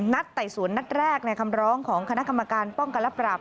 ไต่สวนนัดแรกในคำร้องของคณะกรรมการป้องกันและปราบ